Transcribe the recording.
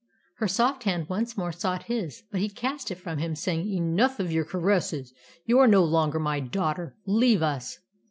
Her soft hand once more sought his; but he cast it from him, saying, "Enough of your caresses! You are no longer my daughter! Leave us!"